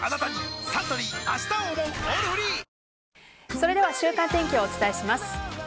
それでは週間天気をお伝えします。